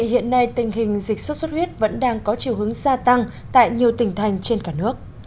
hiện nay tình hình dịch sốt xuất huyết vẫn đang có chiều hướng gia tăng tại nhiều tỉnh thành trên cả nước